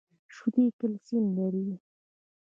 شیدې کلسیم لري